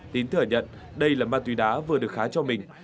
tín thừa nhận đây là ma túy đá vừa được khá cho mình